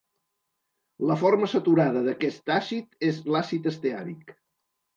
La forma saturada d'aquest àcid és l'àcid esteàric.